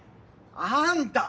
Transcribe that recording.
あんた！